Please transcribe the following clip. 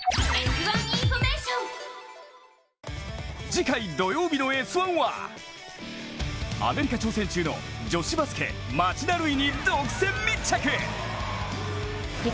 次回、土曜日の「Ｓ☆１」はアメリカ挑戦中の女子バスケ町田瑠唯に独占密着。